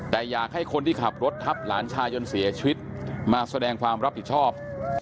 แต่อยากให้คนที่ขับรถทับหลานชายจนเสียชีวิตมาแสดงความรับผิดชอบ